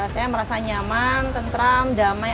saya merasa nyaman tentram damai